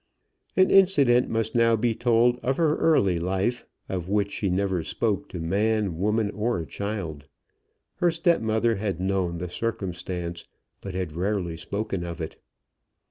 An incident must now be told of her early life, of which she never spoke to man, woman, or child. Her step mother had known the circumstance, but had rarely spoken of it.